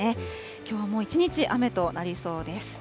きょうはもう一日雨となりそうです。